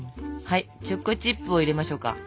はいチョコチップを入れましょうか。